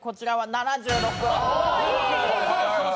７６。